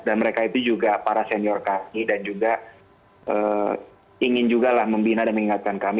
dan mereka itu juga para senior kami dan juga ingin juga lah membina dan mengingatkan kami